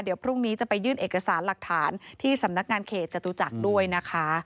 เดี๋ยวพรุ่งนี้จะไปยื่นเอกสารหลักฐานที่สำนักงานเขตจตุจักรด้วยนะคะ